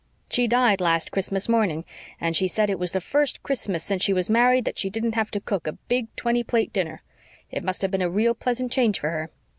She died last Christmas morning, and she said it was the first Christmas since she was married that she didn't have to cook a big, twenty plate dinner. It must have been a real pleasant change for her.